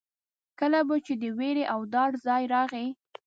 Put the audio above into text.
کله به چې د وېرې او ډار ځای راغی.